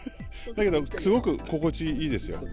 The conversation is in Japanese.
だけど、すごく心地いいですよ。